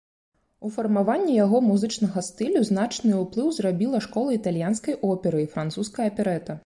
У фармаванні яго музычнага стылю значны ўплыў зрабіла школа італьянскай оперы і французская аперэта.